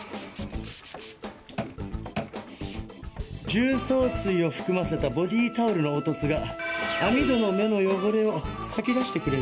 重曹水を含ませたボディータオルの凹凸が網戸の目の汚れをかき出してくれるんです。